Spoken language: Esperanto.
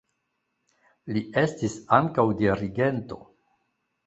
Li estis ankaŭ dirigento.